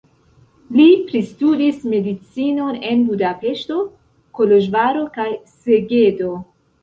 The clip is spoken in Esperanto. Li pristudis medicinon en Budapeŝto, Koloĵvaro kaj Segedo.